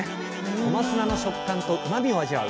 小松菜の食感とうまみを味わう